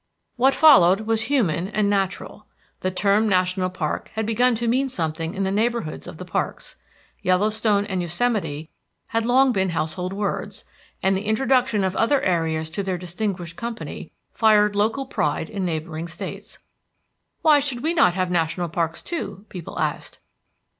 What followed was human and natural. The term national park had begun to mean something in the neighborhoods of the parks. Yellowstone and Yosemite had long been household words, and the introduction of other areas to their distinguished company fired local pride in neighboring states. "Why should we not have national parks, too?" people asked.